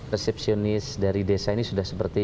resepsionis dari desa ini sudah seperti